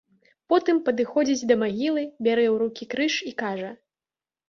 Потым падыходзіць да магілы, бярэ ў рукі крыж і кажа.